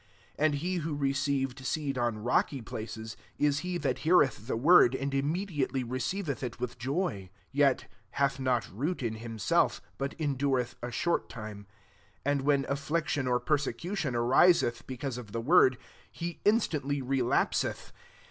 20 And he who received seed on rocky places, is he that heareth the word, and imme diately receiveth it with joy ; 21 yet hath not root in himself, but endureth a short time : and when affliction or pei*secution ariseth because of the word, he instantly relapseth.